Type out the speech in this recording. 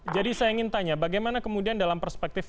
jadi saya ingin tanya bagaimana kemudian dalam perspektifnya